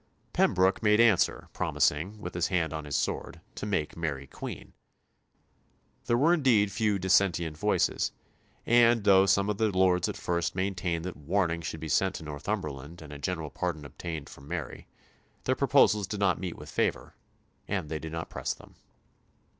Pembroke made answer, promising, with his hand on his sword, to make Mary Queen. There were indeed few dissentient voices, and, though some of the lords at first maintained that warning should be sent to Northumberland and a general pardon obtained from Mary, their proposals did not meet with favour, and they did not press them.